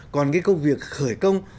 còn cái công việc khởi công